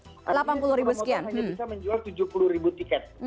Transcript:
artinya sepeda motor hanya bisa menjual tujuh puluh ribu tiket